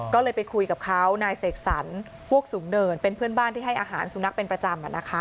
ก็เลยไปคุยกับเขานายเสกสรรพวกสูงเนินเป็นเพื่อนบ้านที่ให้อาหารสุนัขเป็นประจำ